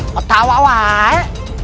kau tak tahu apa itu